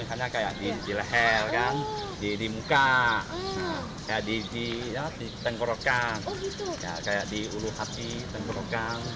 di vitalnya kayak di lehel kan di muka di tengkorokan kayak di ulu hati tengkorokan